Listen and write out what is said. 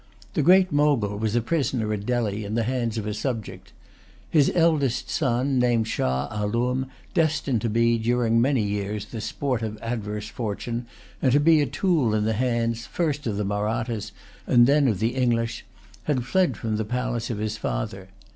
The Great Mogul was a prisoner at Delhi in the hands of a subject. His eldest son, named Shah Alum, destined to be, during many years, the sport of adverse fortune, and to be a tool in the hands, first of the Mahrattas, and then of the English, had fled from the palace of his father.